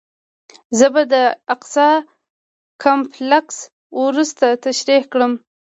زه به د اقصی کمپلکس وروسته تشریح کړم.